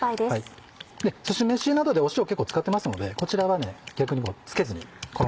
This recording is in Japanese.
すし飯などで塩結構使ってますのでこちらは逆に付けずにこのまま。